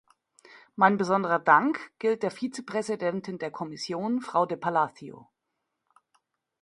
Mein besonderer Dank gilt der Vizepräsidentin der Kommission, Frau de Palacio.